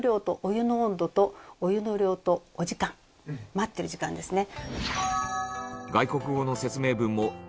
待ってる時間ですね。